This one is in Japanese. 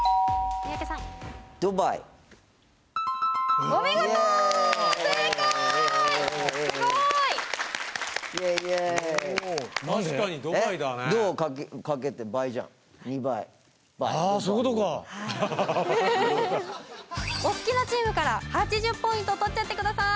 そういうことかお好きなチームから８０ポイント取っちゃってください